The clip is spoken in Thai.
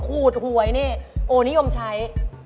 ขูดหวยนี่โอ้นิยมใช้